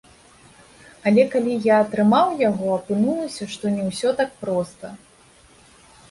Але калі я атрымаў яго, апынулася, што не ўсё так проста.